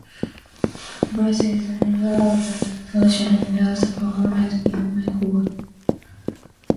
Burst is a member of The Occasion and also performs with Mike Wexler.